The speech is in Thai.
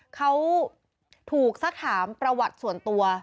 เขาถูกสักถามประวัติส่วนตัว